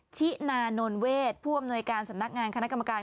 ชินานนเวทผู้อำนวยการสำนักงานคณะกรรมการ